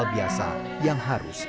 namun mereka mengambilkan yang lainnya